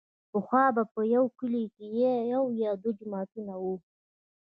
پخوا به که په يوه کلي کښې يو يا دوه جوماته وو.